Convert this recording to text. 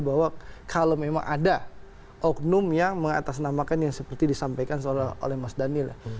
bahwa kalau memang ada oknum yang mengatasnamakan yang seperti disampaikan oleh mas daniel